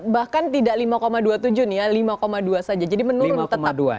bahkan tidak lima dua puluh tujuh nih ya lima dua saja jadi menurun tetap